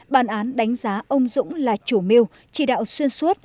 bàn án đánh giá ông dũng là chủ mưu chỉ đạo xuyên suốt